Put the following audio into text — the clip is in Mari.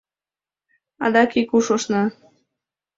— Адак ик уш ушна!